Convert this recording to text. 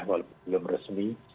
walaupun belum resmi